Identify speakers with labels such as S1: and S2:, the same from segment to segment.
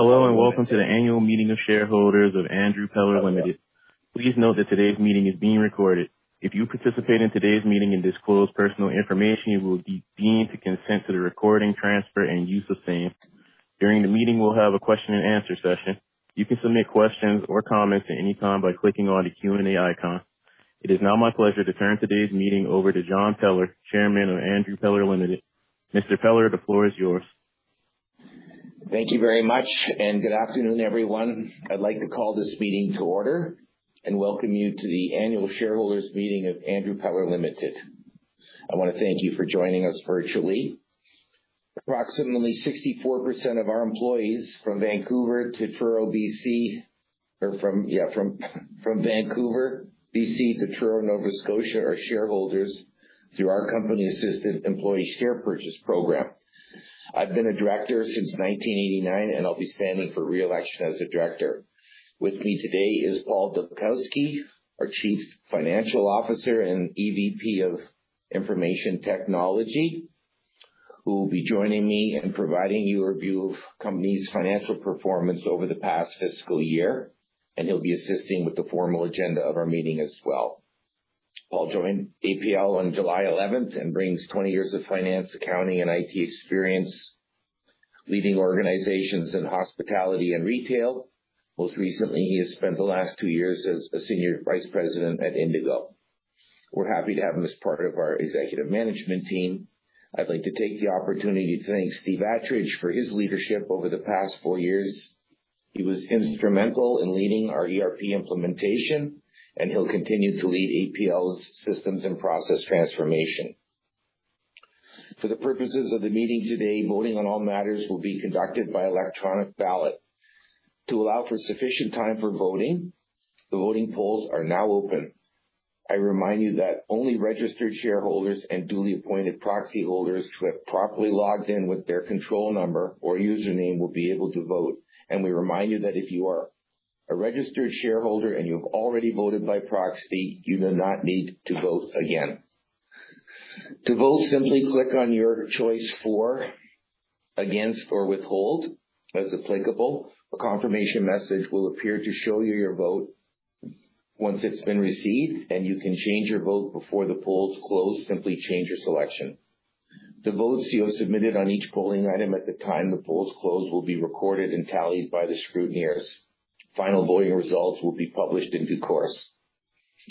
S1: Hello, and welcome to the Annual Meeting of Shareholders of Andrew Peller Limited. Please note that today's meeting is being recorded. If you participate in today's meeting and disclose personal information, it will be deemed to consent to the recording, transfer, and use of same. During the meeting, we'll have a question and answer session. You can submit questions or comments at any time by clicking on the Q&A icon. It is now my pleasure to turn today's meeting over to John Peller, Chairman of Andrew Peller Limited. Mr. Peller, the floor is yours.
S2: Thank you very much and good afternoon, everyone. I'd like to call this meeting to order and welcome you to the annual shareholders' meeting of Andrew Peller Limited. I wanna thank you for joining us virtually. Approximately 64% of our employees from Vancouver, BC, to Truro, Nova Scotia, are shareholders through our company assisted employee share purchase program. I've been a director since 1989, and I'll be standing for re-election as a director. With me today is Paul Dubkowski, our Chief Financial Officer and EVP of Information Technology, who will be joining me in providing you a review of company's financial performance over the past fiscal year, and he'll be assisting with the formal agenda of our meeting as well. Paul joined APL on July eleventh and brings 20 years of finance, accounting, and IT experience leading organizations in hospitality and retail. Most recently, he has spent the last two years as a Senior Vice President at Indigo. We're happy to have him as part of our executive management team. I'd like to take the opportunity to thank Steve Attridge for his leadership over the past four years. He was instrumental in leading our ERP implementation, and he'll continue to lead APL's systems and process transformation. For the purposes of the meeting today, voting on all matters will be conducted by electronic ballot. To allow for sufficient time for voting, the voting polls are now open. I remind you that only registered shareholders and duly appointed proxy holders who have properly logged in with their control number or username will be able to vote. We remind you that if you are a registered shareholder and you have already voted by proxy, you do not need to vote again. To vote, simply click on your choice for, against, or withhold as applicable. A confirmation message will appear to show you your vote once it's been received, and you can change your vote before the polls close. Simply change your selection. The votes you have submitted on each polling item at the time the polls close will be recorded and tallied by the scrutineers. Final voting results will be published in due course.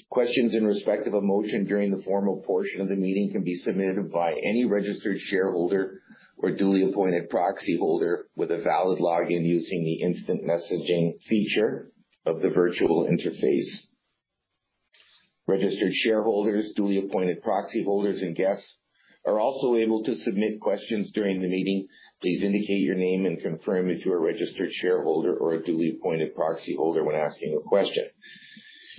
S2: Questions in respect of a motion during the formal portion of the meeting can be submitted by any registered shareholder or duly appointed proxy holder with a valid login using the instant messaging feature of the virtual interface. Registered shareholders, duly appointed proxy holders, and guests are also able to submit questions during the meeting. Please indicate your name and confirm if you're a registered shareholder or a duly appointed proxy holder when asking a question.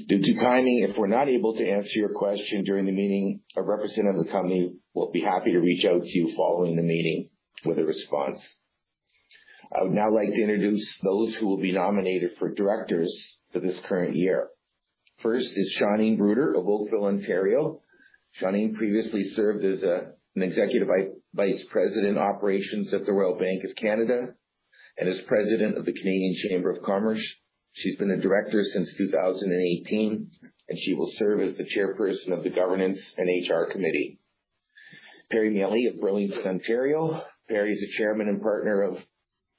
S2: Due to timing, if we're not able to answer your question during the meeting, a representative of the company will be happy to reach out to you following the meeting with a response. I would now like to introduce those who will be nominated for directors for this current year. First is Shauneen Bruder of Oakville, Ontario. Shauneen previously served as an Executive Vice-President, Operations at the Royal Bank of Canada and is President of the Canadian Chamber of Commerce. She's been a director since 2018, and she will serve as the Chairperson of the Governance and HR Committee. Perry Miele of Burlington, Ontario. Perry is a Chairman and Partner of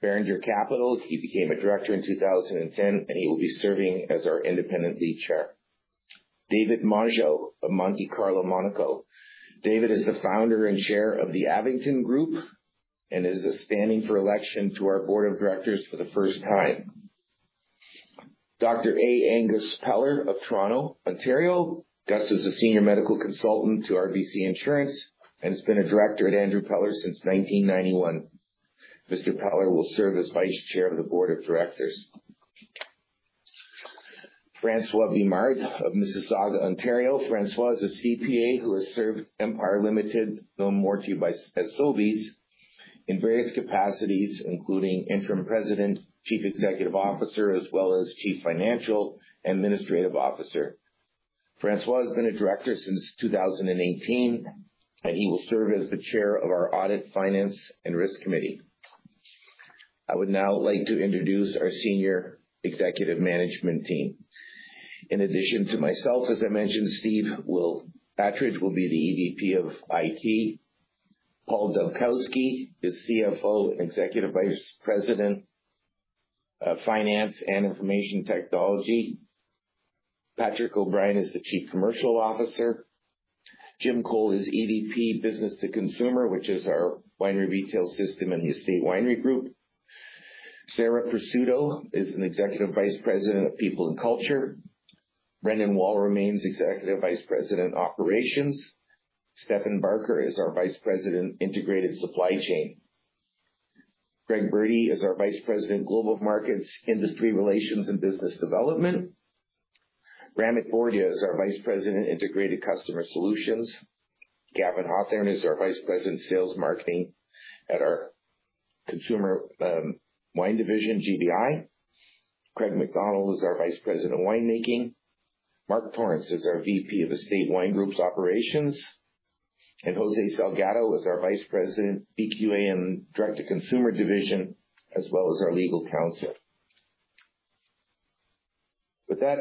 S2: Beringer Capital. He became a Director in 2010, and he will be serving as our independent lead chair. David Mongeau of Monte Carlo, Monaco. David is the Founder and Chair of the Abington Group and is standing for election to our board of directors for the first time. Dr. A. Angus Peller of Toronto, Ontario. Gus is a Senior Medical Consultant to RBC Insurance and has been a director at Andrew Peller Limited since 1991. Mr. Peller will serve as Vice Chair of the Board of Directors. François Vimard of Mississauga, Ontario. François is a CPA who has served Empire Company Limited, known more to you as Sobeys, in various capacities, including Interim President, Chief Executive Officer, as well as Chief Financial and Administrative Officer. François has been a director since 2018, and he will serve as the chair of our Audit, Finance, and Risk Committee. I would now like to introduce our Senior Executive Management team. In addition to myself, as I mentioned, Steve Attridge will be the EVP of IT. Paul Dubkowski is CFO, Executive Vice President of Finance and Information Technology. Patrick O'Brien is the Chief Commercial Officer. Jim Cole is EVP, Business to Consumer, which is our winery retail system and the estate winery group. Sara Presutto is an Executive Vice President of People and Culture. Brendan Wall remains Executive Vice President, Operations. Stephen Barker is our Vice President, Integrated Supply Chain. Greg Berti is our Vice President, Global Markets, Industry Relations, and Business Development. Ramit Bordia is our Vice President, Integrated Customer Solutions. Gavin Hawthorne is our Vice President, Sales & Marketing at our consumer wine division, GVI. Craig McDonald is our Vice President of Winemaking. Mark Torrance is our VP of Estate Wine Group Operations, and José Salgado is our Vice President, VQA and Direct to Consumer Division, as well as our legal counsel. With that,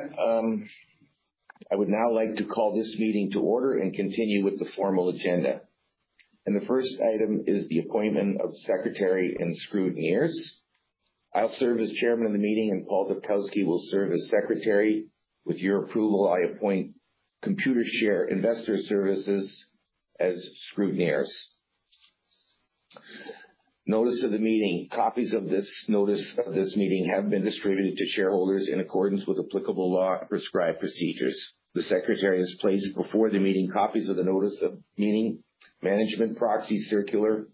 S2: I would now like to call this meeting to order and continue with the formal agenda. The first item is the appointment of Secretary and Scrutineers. I'll serve as chairman of the meeting, and Paul Dubkowski will serve as secretary. With your approval, I appoint Computershare Investor Services as scrutineers. Notice of the meeting. Copies of this notice of this meeting have been distributed to shareholders in accordance with applicable law and prescribed procedures. The secretary has placed before the meeting copies of the notice of meeting, management proxy circular,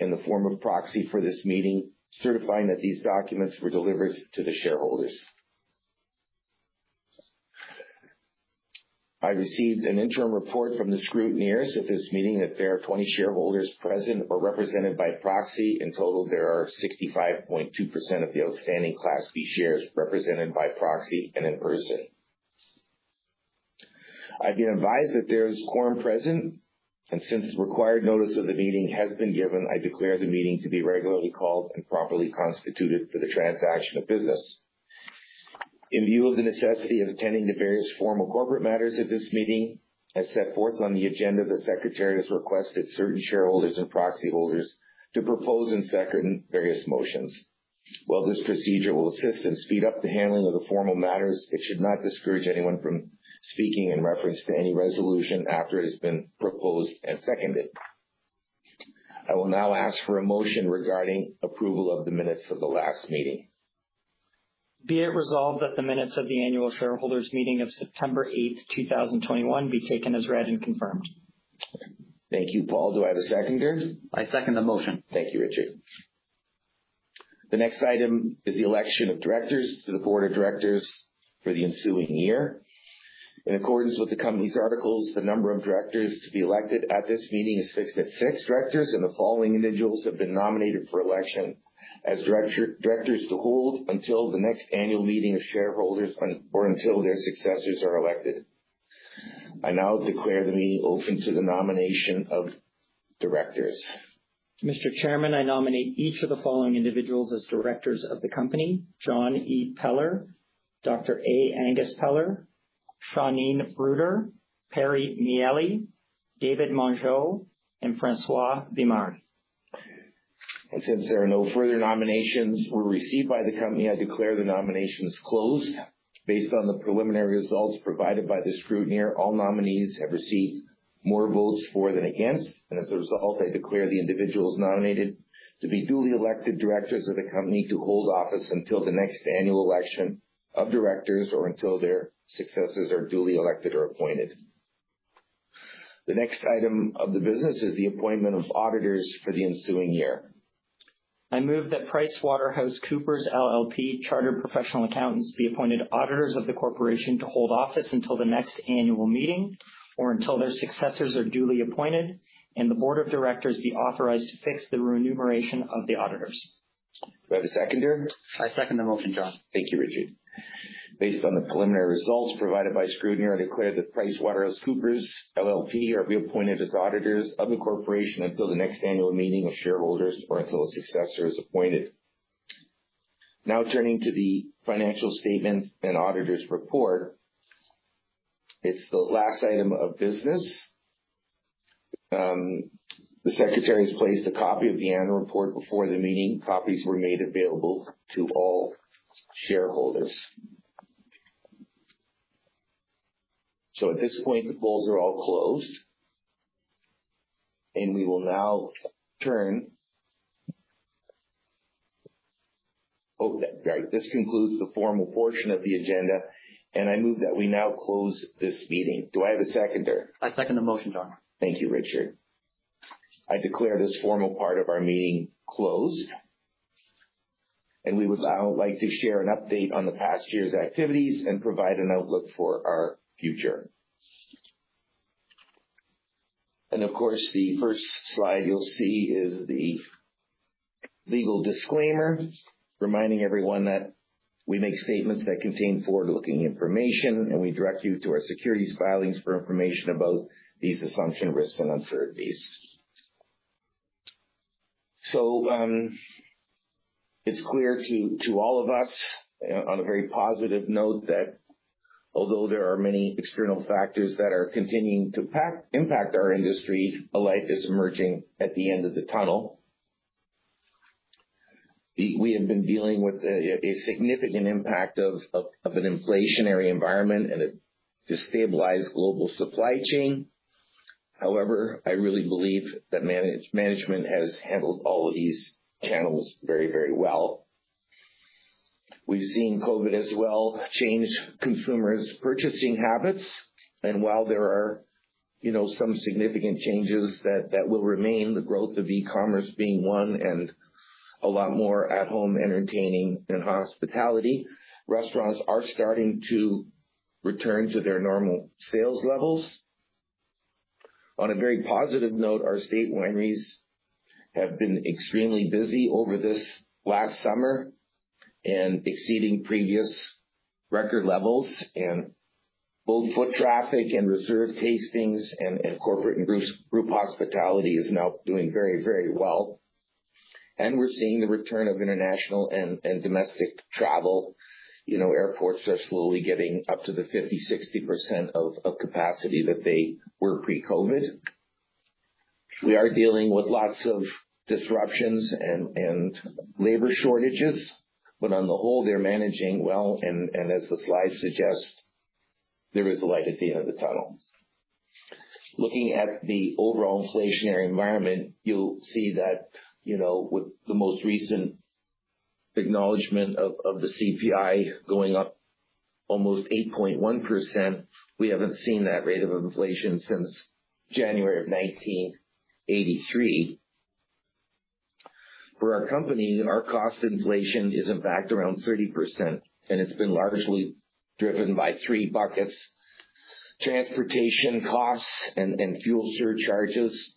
S2: and the form of proxy for this meeting, certifying that these documents were delivered to the shareholders. I received an interim report from the scrutineers at this meeting that there are 20 shareholders present or represented by proxy. In total, there are 65.2% of the outstanding Class B shares represented by proxy and in person. I've been advised that there's quorum present, and since required notice of the meeting has been given, I declare the meeting to be regularly called and properly constituted for the transaction of business. In view of the necessity of attending the various formal corporate matters at this meeting, as set forth on the agenda, the secretary has requested certain shareholders and proxy holders to propose and second various motions. While this procedure will assist and speed up the handling of the formal matters, it should not discourage anyone from speaking in reference to any resolution after it has been proposed and seconded. I will now ask for a motion regarding approval of the minutes of the last meeting.
S3: Be it resolved that the minutes of the annual shareholders meeting of September 8, 2021 be taken as read and confirmed.
S2: Thank you, Paul. Do I have a seconder?
S4: I second the motion.
S2: Thank you, Richard. The next item is the election of directors to the board of directors for the ensuing year. In accordance with the company's articles, the number of directors to be elected at this meeting is fixed at six directors, and the following individuals have been nominated for election as directors to hold until the next annual meeting of shareholders or until their successors are elected. I now declare the meeting open to the nomination of directors.
S3: Mr. Chairman, I nominate each of the following individuals as directors of the company. John E. Peller, Dr. A. Gus Peller, Shauneen Bruder, Perry Miele, David Mongeau, and François Vimard.
S2: Since no further nominations were received by the company, I declare the nominations closed. Based on the preliminary results provided by the scrutineer, all nominees have received more votes for than against. As a result, I declare the individuals nominated to be duly elected directors of the company to hold office until the next annual election of directors or until their successors are duly elected or appointed. The next item of the business is the appointment of auditors for the ensuing year.
S3: I move that PricewaterhouseCoopers LLP Chartered Professional Accountants be appointed auditors of the corporation to hold office until the next annual meeting or until their successors are duly appointed, and the board of directors be authorized to fix the remuneration of the auditors.
S2: Do I have a seconder?
S4: I second the motion, John.
S2: Thank you, Richard. Based on the preliminary results provided by scrutineer, I declare that PricewaterhouseCoopers LLP are reappointed as auditors of the corporation until the next annual meeting of shareholders or until a successor is appointed. Now, turning to the financial statements and auditor's report, it's the last item of business. The secretary has placed a copy of the annual report before the meeting. Copies were made available to all shareholders. At this point, the polls are all closed. This concludes the formal portion of the agenda, and I move that we now close this meeting. Do I have a seconder?
S4: I second the motion, John.
S2: Thank you, Richard. I declare this formal part of our meeting closed. We would now like to share an update on the past year's activities and provide an outlook for our future. Of course, the first slide you'll see is the legal disclaimer, reminding everyone that we make statements that contain forward-looking information, and we direct you to our securities filings for information about these assumptions, risks, and uncertainties. It's clear to all of us on a very positive note that although there are many external factors that are continuing to impact our industry, a light is emerging at the end of the tunnel. We have been dealing with a significant impact of an inflationary environment and a destabilized global supply chain. However, I really believe that management has handled all of these challenges very well. We've seen COVID as well change consumers' purchasing habits. While there are, you know, some significant changes that will remain, the growth of e-commerce being one and a lot more at home entertaining than hospitality, restaurants are starting to return to their normal sales levels. On a very positive note, our estate wineries have been extremely busy over this last summer and exceeding previous record levels. Both foot traffic and reserve tastings and corporate and group hospitality is now doing very, very well. We're seeing the return of international and domestic travel. You know, airports are slowly getting up to the 50%-60% of capacity that they were pre-COVID. We are dealing with lots of disruptions and labor shortages, but on the whole, they're managing well. As the slide suggests, there is a light at the end of the tunnel. Looking at the overall inflationary environment, you'll see that, you know, with the most recent acknowledgement of the CPI going up almost 8.1%, we haven't seen that rate of inflation since January 1983. For our company, our cost inflation is in fact around 30%, and it's been largely driven by three buckets. Transportation costs and fuel surcharges,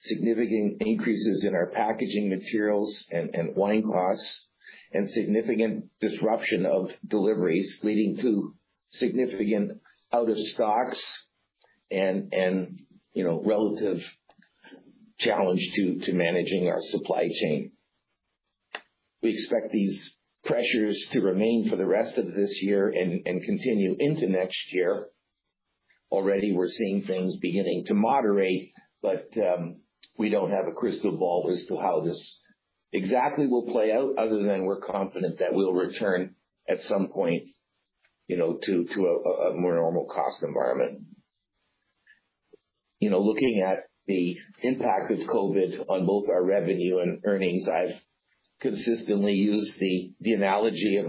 S2: significant increases in our packaging materials and wine costs, and significant disruption of deliveries, leading to significant out of stocks and, you know, relative challenge to managing our supply chain. We expect these pressures to remain for the rest of this year and continue into next year. Already we're seeing things beginning to moderate, but we don't have a crystal ball as to how this exactly will play out other than we're confident that we'll return at some point, you know, to a more normal cost environment. You know, looking at the impact of COVID on both our revenue and earnings, I've consistently used the analogy of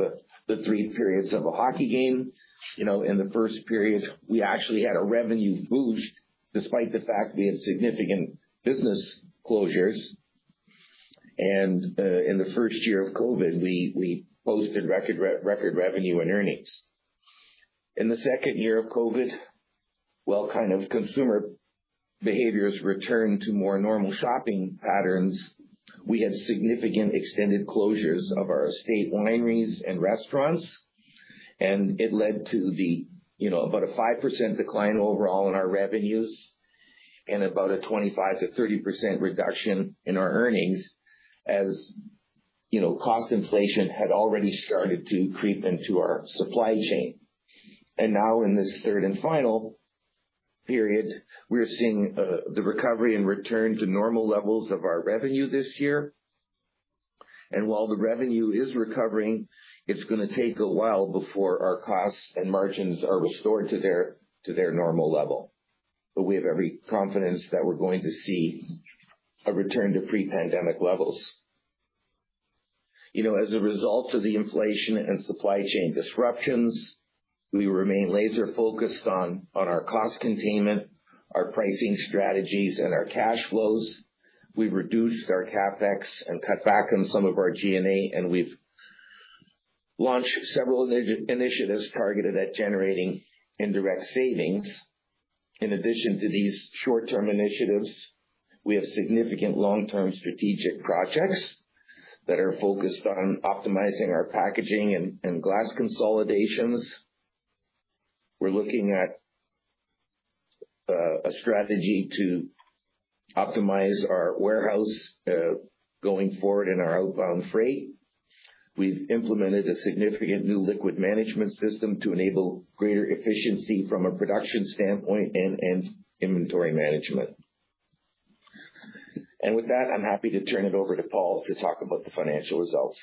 S2: the three periods of a hockey game. You know, in the first period we actually had a revenue boost despite the fact we had significant business closures. In the first year of COVID, we posted record revenue and earnings. In the second year of COVID, well, kind of consumer behaviors returned to more normal shopping patterns, we had significant extended closures of our estate wineries and restaurants, and it led to the, you know, about a 5% decline overall in our revenues and about a 25% to 30% reduction in our earnings. As, you know, cost inflation had already started to creep into our supply chain. Now in this third and final period, we're seeing the recovery and return to normal levels of our revenue this year. While the revenue is recovering, it's gonna take a while before our costs and margins are restored to their normal level. We have every confidence that we're going to see a return to pre-pandemic levels. You know, as a result of the inflation and supply chain disruptions, we remain laser focused on our cost containment, our pricing strategies, and our cash flows. We've reduced our CapEx and cut back on some of our G&A, and we've launched several initiatives targeted at generating indirect savings. In addition to these short-term initiatives, we have significant long-term strategic projects that are focused on optimizing our packaging and glass consolidations. We're looking at a strategy to optimize our warehouse going forward in our outbound freight. We've implemented a significant new liquid management system to enable greater efficiency from a production standpoint and inventory management. With that, I'm happy to turn it over to Paul to talk about the financial results.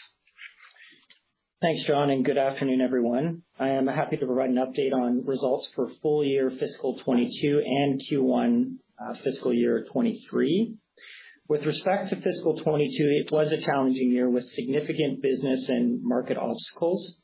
S3: Thanks, John, and good afternoon, everyone. I am happy to provide an update on results for full year fiscal 2022 and Q1, fiscal year 2023. With respect to fiscal 2022, it was a challenging year with significant business and market obstacles.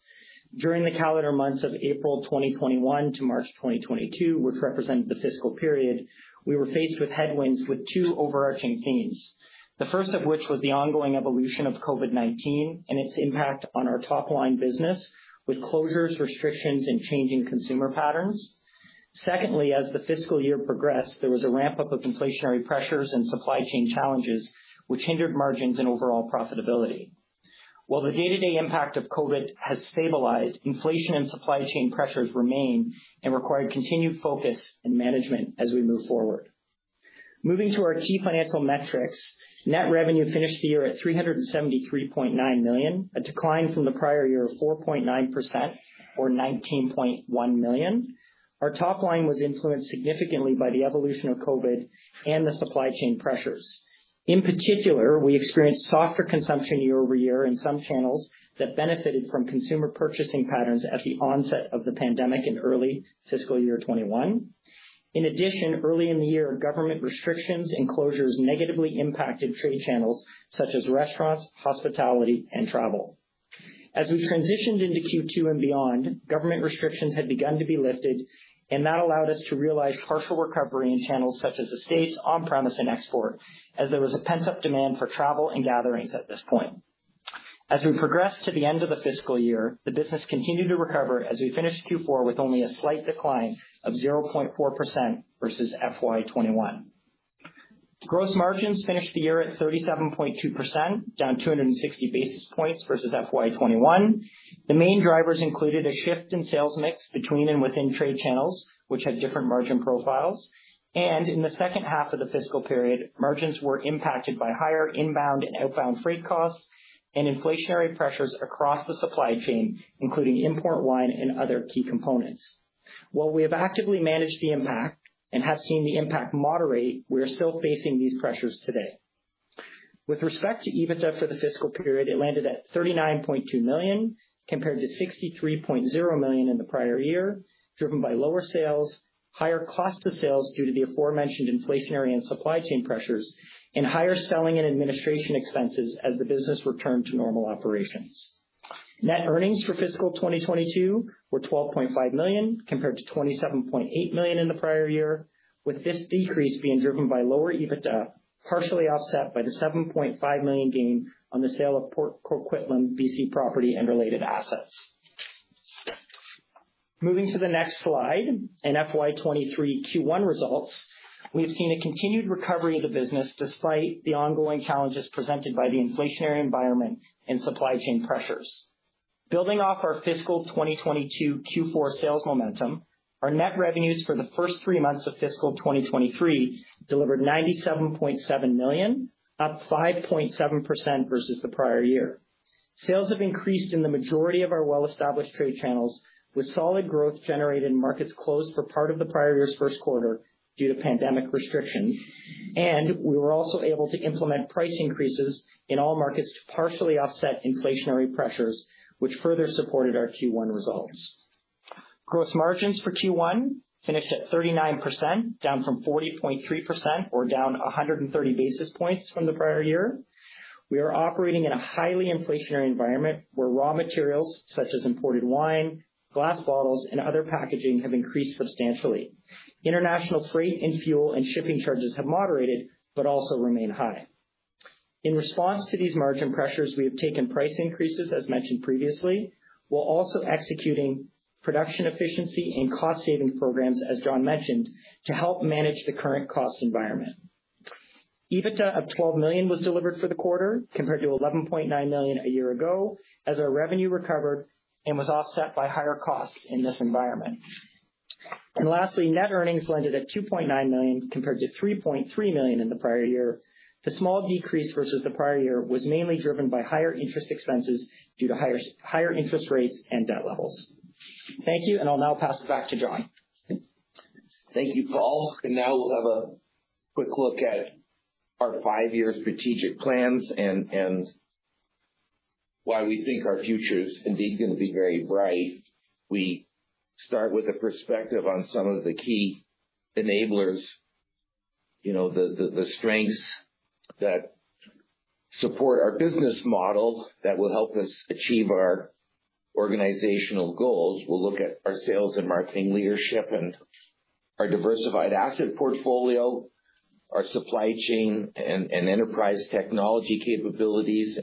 S3: During the calendar months of April 2021 to March 2022, which represented the fiscal period, we were faced with headwinds with two overarching themes. The first of which was the ongoing evolution of COVID-19 and its impact on our top line business with closures, restrictions, and changing consumer patterns. Secondly, as the fiscal year progressed, there was a ramp up of inflationary pressures and supply chain challenges which hindered margins and overall profitability. While the day-to-day impact of COVID has stabilized, inflation and supply chain pressures remain and require continued focus and management as we move forward. Moving to our key financial metrics, net revenue finished the year at 373.9 million, a decline from the prior year of 4.9% or 19.1 million. Our top line was influenced significantly by the evolution of COVID and the supply chain pressures. In particular, we experienced softer consumption year-over-year in some channels that benefited from consumer purchasing patterns at the onset of the pandemic in early fiscal year 2021. In addition, early in the year, government restrictions and closures negatively impacted trade channels such as restaurants, hospitality, and travel. As we transitioned into Q2 and beyond, government restrictions had begun to be lifted, and that allowed us to realize partial recovery in channels such as estates, on-premise, and export, as there was a pent-up demand for travel and gatherings at this point. As we progressed to the end of the fiscal year, the business continued to recover as we finished Q4 with only a slight decline of 0.4% versus FY 2021. Gross margins finished the year at 37.2%, down 260 basis points versus FY 2021. The main drivers included a shift in sales mix between and within trade channels, which had different margin profiles. In the second half of the fiscal period, margins were impacted by higher inbound and outbound freight costs and inflationary pressures across the supply chain, including import wine and other key components. While we have actively managed the impact and have seen the impact moderate, we are still facing these pressures today. With respect to EBITDA for the fiscal period, it landed at 39.2 million, compared to 63.0 million in the prior year, driven by lower sales, higher cost of sales due to the aforementioned inflationary and supply chain pressures, and higher selling and administration expenses as the business returned to normal operations. Net earnings for fiscal 2022 were 12.5 million, compared to 27.8 million in the prior year, with this decrease being driven by lower EBITDA, partially offset by the 7.5 million gain on the sale of Port Coquitlam, BC property and related assets. Moving to the next slide, in FY 2023 Q1 results, we've seen a continued recovery of the business despite the ongoing challenges presented by the inflationary environment and supply chain pressures. Building off our fiscal 2022 Q4 sales momentum, our net revenues for the first three months of fiscal 2023 delivered 97.7 million, up 5.7% versus the prior year. Sales have increased in the majority of our well-established trade channels, with solid growth generated in markets closed for part of the prior year's first quarter due to pandemic restrictions. We were also able to implement price increases in all markets to partially offset inflationary pressures, which further supported our Q1 results. Gross margins for Q1 finished at 39%, down from 40.3% or down 130 basis points from the prior year. We are operating in a highly inflationary environment where raw materials such as imported wine, glass bottles, and other packaging have increased substantially. International freight and fuel and shipping charges have moderated but also remain high. In response to these margin pressures, we have taken price increases, as mentioned previously, while also executing production efficiency and cost-saving programs, as John mentioned, to help manage the current cost environment. EBITDA of 12 million was delivered for the quarter, compared to 11.9 million a year ago, as our revenue recovered and was offset by higher costs in this environment. Lastly, net earnings landed at 2.9 million compared to 3.3 million in the prior year. The small decrease versus the prior year was mainly driven by higher interest expenses due to higher interest rates and debt levels. Thank you, and I'll now pass it back to John.
S2: Thank you, Paul. Now we'll have a quick look at our five-year strategic plans and why we think our future is indeed gonna be very bright. We start with a perspective on some of the key enablers, you know, the strengths that support our business model that will help us achieve our organizational goals. We'll look at our sales and marketing leadership and our diversified asset portfolio, our supply chain and enterprise technology capabilities.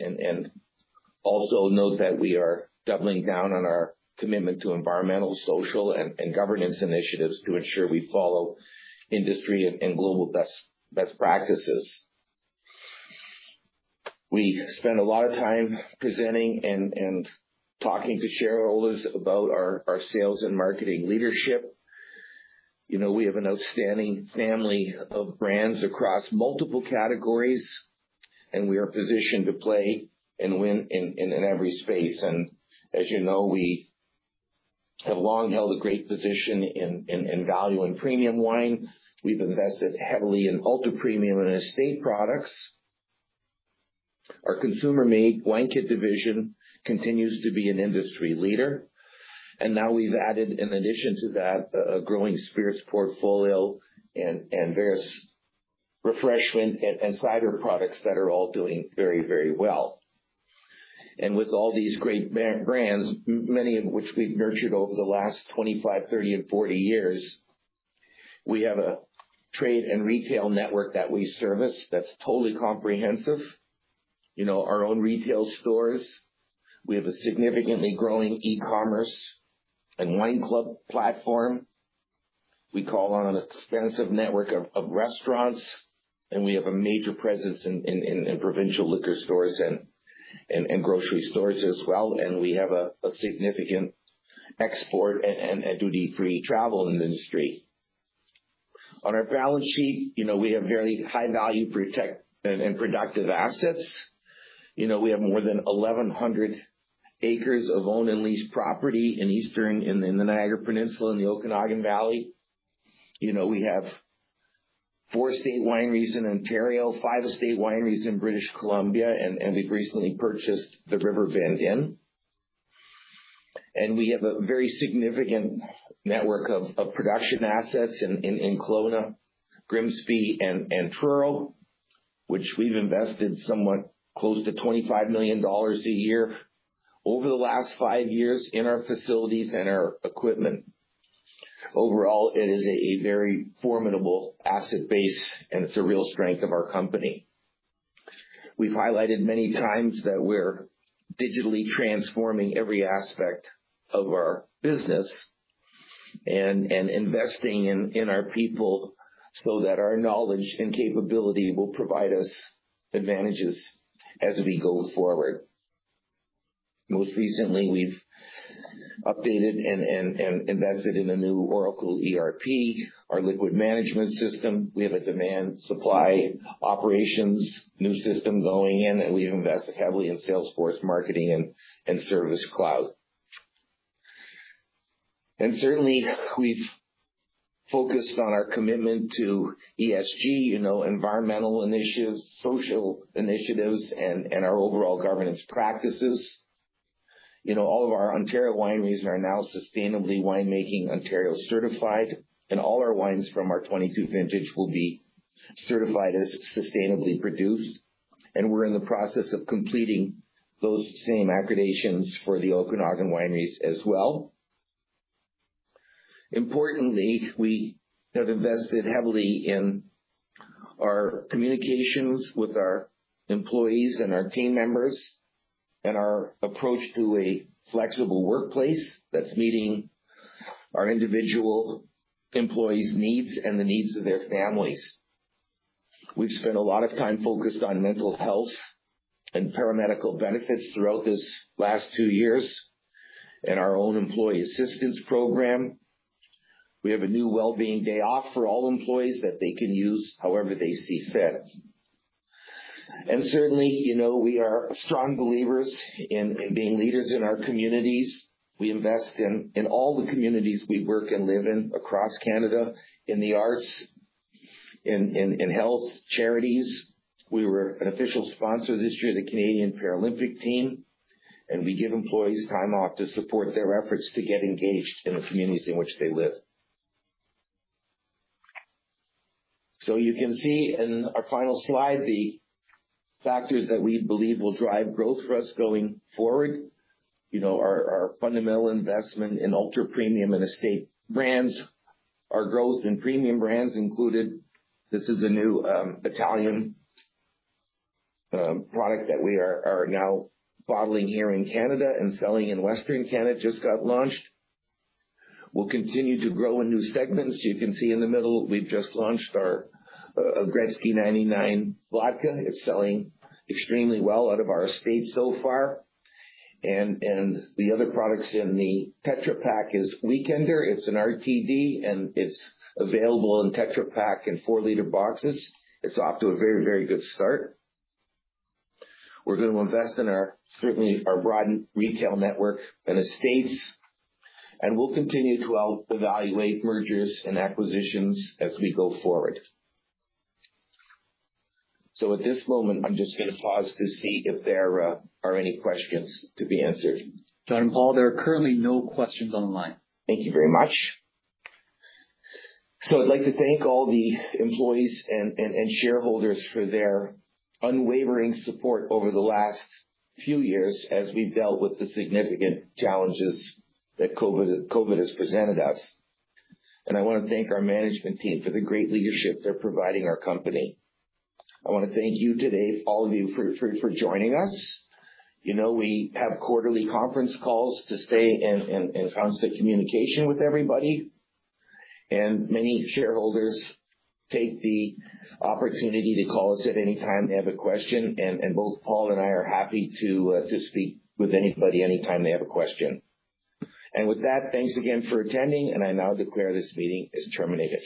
S2: Also note that we are doubling down on our commitment to environmental, social, and governance initiatives to ensure we follow industry and global best practices. We spend a lot of time presenting and talking to shareholders about our sales and marketing leadership. You know, we have an outstanding family of brands across multiple categories, and we are positioned to play and win in every space. As you know, we have long held a great position in value and premium wine. We've invested heavily in ultra-premium and estate products. Our consumer-made wine kit division continues to be an industry leader. Now we've added an addition to that, a growing spirits portfolio and various refreshment and cider products that are all doing very, very well. With all these great brands, many of which we've nurtured over the last 25, 30, and 40 years, we have a trade and retail network that we service that's totally comprehensive. You know, our own retail stores. We have a significantly growing e-commerce and wine club platform. We call on an expansive network of restaurants, and we have a major presence in provincial liquor stores and grocery stores as well, and we have a significant export and duty-free travel industry. On our balance sheet, you know, we have very high-value protected and productive assets. You know, we have more than 1,100 acres of owned and leased property in the Niagara Peninsula, in the Okanagan Valley. You know, we have four estate wineries in Ontario, five estate wineries in British Columbia, and we've recently purchased the Riverbend Inn. We have a very significant network of production assets in Kelowna, Grimsby, and Truro, which we've invested somewhat close to 25 million dollars a year over the last five years in our facilities and our equipment. Overall, it is a very formidable asset base, and it's a real strength of our company. We've highlighted many times that we're digitally transforming every aspect of our business and investing in our people so that our knowledge and capability will provide us advantages as we go forward. Most recently, we've updated and invested in a new Oracle ERP, our liquid management system. We have a demand supply operations new system going in, and we invest heavily in Salesforce marketing and service cloud. Certainly we've focused on our commitment to ESG, you know, environmental initiatives, social initiatives, and our overall governance practices. You know, all of our Ontario wineries are now sustainably wine making, Ontario certified, and all our wines from our 2022 vintage will be certified as sustainably produced. We're in the process of completing those same accreditations for the Okanagan wineries as well. Importantly, we have invested heavily in our communications with our employees and our team members, and our approach to a flexible workplace that's meeting our individual employees' needs and the needs of their families. We've spent a lot of time focused on mental health and paramedical benefits throughout this last two years in our own employee assistance program. We have a new wellbeing day off for all employees that they can use however they see fit. Certainly, you know, we are strong believers in being leaders in our communities. We invest in all the communities we work and live in across Canada, in the arts, in health, charities. We were an official sponsor this year of the Canadian Paralympic Team, and we give employees time off to support their efforts to get engaged in the communities in which they live. You can see in our final slide the factors that we believe will drive growth for us going forward. You know, our fundamental investment in ultra premium and estate brands. Our growth in premium brands included. This is a new Italian product that we are now bottling here in Canada and selling in Western Canada. It just got launched. We'll continue to grow in new segments. You can see in the middle, we've just launched our Gretzky 99 vodka. It's selling extremely well out of our estate so far. The other products in the Tetra Pak is Weekender. It's an RTD, and it's available in Tetra Pak in four-liter boxes. It's off to a very, very good start. We're gonna invest in our, certainly our broad retail network and estates, and we'll continue to evaluate mergers and acquisitions as we go forward. At this moment, I'm just gonna pause to see if there are any questions to be answered. Don and Paul, there are currently no questions on the line. Thank you very much. I'd like to thank all the employees and shareholders for their unwavering support over the last few years as we've dealt with the significant challenges that COVID has presented us. I wanna thank our management team for the great leadership they're providing our company. I wanna thank you today, all of you, for joining us. You know, we have quarterly conference calls to stay in constant communication with everybody, and many shareholders take the opportunity to call us at any time they have a question. Both Paul and I are happy to speak with anybody anytime they have a question. With that, thanks again for attending, and I now declare this meeting is terminated.